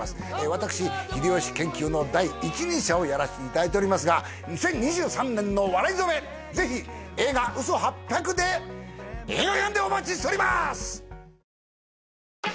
私秀吉研究の第一人者をやらしていただいておりますが２０２３年の笑い初めぜひ映画「嘘八百」で映画館でお待ちしております！